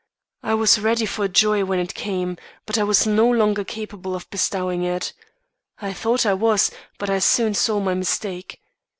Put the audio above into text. I was ready for joy when it came, but I was no longer capable of bestowing it. I thought I was, but I soon saw my mistake.